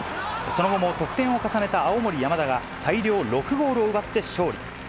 その後も得点を重ねた青森山田が、大量６ゴールを奪って勝利。